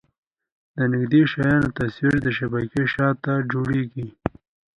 د نږدې شیانو تصویر د شبکیې شاته جوړېږي.